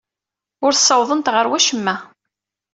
Ur ssawḍent ɣer wacemma.